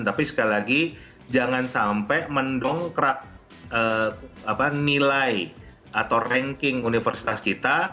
tapi sekali lagi jangan sampai mendongkrak nilai atau ranking universitas kita